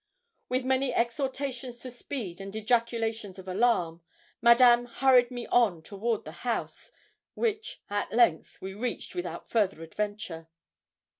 With many exhortations to speed, and ejaculations of alarm, Madame hurried me on toward the house, which at length we reached without further adventure.